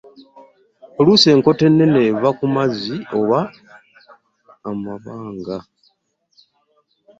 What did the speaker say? Oluusi enkota ennene eva ku mazzi oba amabanga.